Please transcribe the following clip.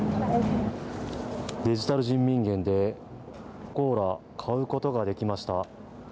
デジタル人民元でコーラ、買うことができました。